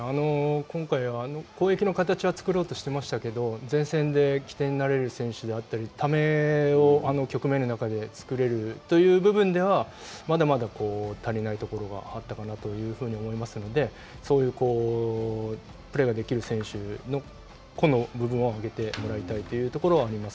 今回は攻撃の形は作ろうとしてましたけど、前線で起点になれる選手であったり、ためを局面の中で作れるという部分では、まだまだ足りないところがあったかなというふうに思いますので、そういうプレーができる選手の個の部分を上げてもらいたいというのはあります。